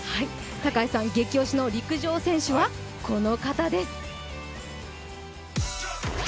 高橋さん激推しの陸上選手はこの方です。